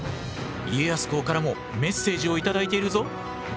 家康公からもメッセージをいただいているぞ。